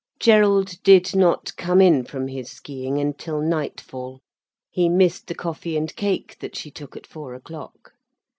Gerald did not come in from his skiing until nightfall, he missed the coffee and cake that she took at four o'clock.